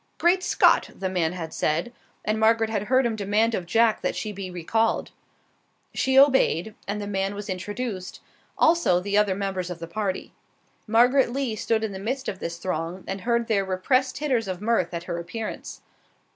"Great Scott!" the man had said, and Margaret had heard him demand of Jack that she be recalled. She obeyed, and the man was introduced, also the other members of the party. Margaret Lee stood in the midst of this throng and heard their repressed titters of mirth at her appearance.